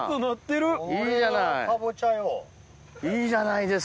いいじゃない。